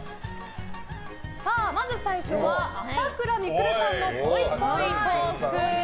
まず最初は朝倉未来さんのぽいぽいトーク。